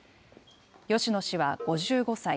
芳野氏は５５歳。